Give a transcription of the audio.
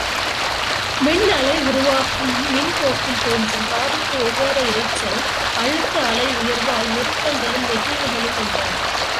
மின்னலை உருவாக்கும் மின்போக்கில் தோன்றும் காதுக்கு ஒவ்வாத இரைச்சல், அழுத்த அலை உயர்வால் நெருக்கங்களும் நெகிழ்வுகளும் உண்டாகும்.